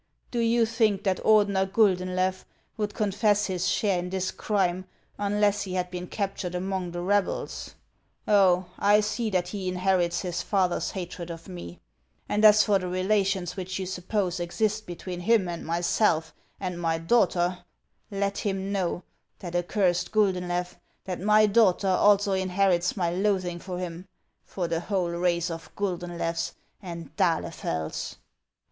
Do you think that Ordener Guldenlew would confess his share in this crime unless he had been captured among the rebels ? HANS OF ICELAND. 451 Oh, I see that he inherits his father's hatred of me ! And as for the relations which you suppose exist between him and myself and my daughter, let him know, that accursed Gulclenlew, that my daughter also inherits my loathing for him, — for the whole race of Guldenlews and d'Ahlefelds